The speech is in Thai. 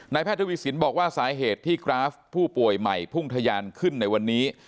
แพทย์ทวีสินบอกว่าสาเหตุที่กราฟผู้ป่วยใหม่พุ่งทะยานขึ้นในวันนี้